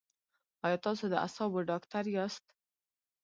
ایا تاسو د اعصابو ډاکټر یاست؟